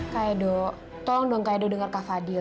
kak edo tolong dong kak edo denger kak fadil